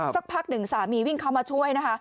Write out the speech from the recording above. สักพักหนึ่งสามีวิ่งเข้ามาช่วยนะคะ